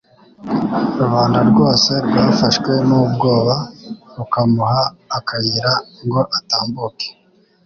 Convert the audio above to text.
rubanda rwose rwafashwe n'ubwoba rukamuha akayira ngo atambuke.